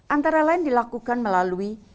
antara lain dilakukan melalui